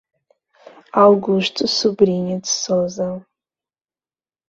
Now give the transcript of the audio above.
Augusto Sobrinho de Souza